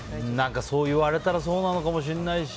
そう言われたらそうなのかもしれないし。